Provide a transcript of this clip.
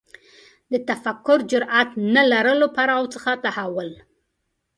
د تفکر جرئت نه لرلو پړاو څخه تحول